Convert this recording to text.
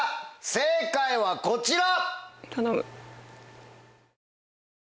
正解はこちら！